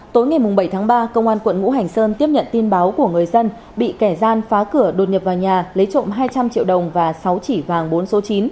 tối ngày bảy tháng ba công an quận ngũ hành sơn tiếp nhận tin báo của người dân bị kẻ gian phá cửa đột nhập vào nhà lấy trộm hai trăm linh triệu đồng và sáu chỉ vàng bốn số chín